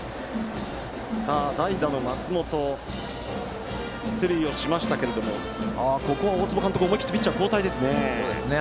代打の松本が出塁しましたがここは大坪監督思い切ってピッチャー交代ですね。